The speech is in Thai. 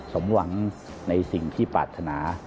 สมหวังในสิ่งที่ปรารถนา